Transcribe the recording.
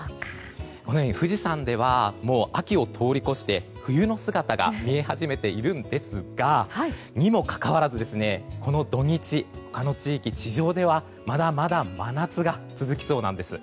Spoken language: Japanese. このように富士山ではもう秋を通り越して冬の姿が見え始めているんですがにもかかわらず、この土日他の地域、地上ではまだまだ真夏が続きそうなんです。